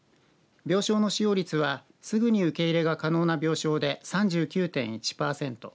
病床の使用率はすぐに受け入れが可能な病床で３９．１パーセント。